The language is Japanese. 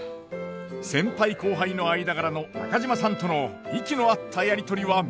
先輩後輩の間柄の中島さんとの息の合ったやり取りは見どころです。